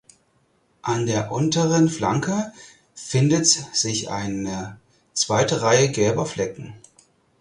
An der unteren Flanke findet sich eine zweite Reihe gelber Flecken.